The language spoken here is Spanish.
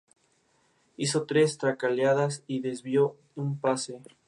Hizo tres tackleadas y desvió un pase.